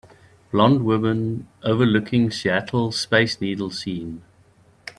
Blond woman overlooking Seattle Space Needle scene.